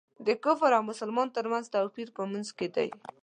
د کافر او مسلمان تر منځ توپیر په لمونځ کې دی.